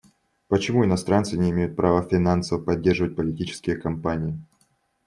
Почему иностранцы не имеют права финансово поддерживать политические кампании?